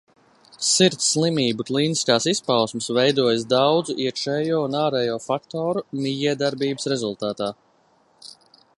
Sirds slimību klīniskās izpausmes veidojas daudzu iekšējo un ārējo faktoru mijiedarbības rezultātā.